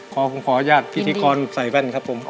ขออนุญาตพิธีกรใส่แว่นครับผม